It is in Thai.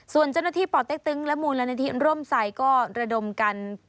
ส่วนเจ้าหน้าที่ป่อเต็กตึงและมูลนิธิร่มใส่ก็ระดมกัน